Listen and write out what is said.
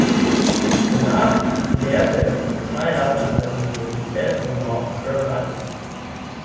Danach lehrte er für zwei Jahre an der Universität von North Carolina.